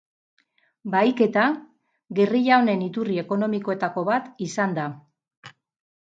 Bahiketa gerrilla honen iturri ekonomikoetako bat izan da.